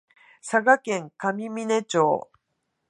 佐賀県上峰町